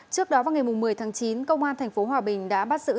trước đó vào ngày một mươi tháng chín công an tp hòa bình đã bắt giữ